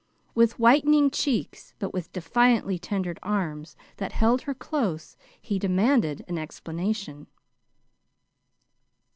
With whitening cheeks, but with defiantly tender arms that held her close, he demanded an explanation.